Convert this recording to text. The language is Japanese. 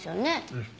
うん。